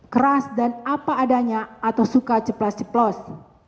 keras dan apa adanya atau suka ceplas ceplos